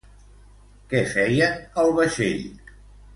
Què feien al vaixell?